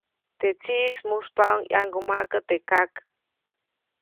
Teʼ tsiʼis muspaʼuŋ ʼyaŋgumaʼkä teʼ kak.